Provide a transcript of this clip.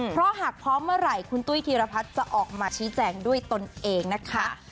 เพราะหากพร้อมเมื่อไหร่คุณตุ้ยธีรพัฒน์จะออกมาชี้แจงด้วยตนเองนะคะ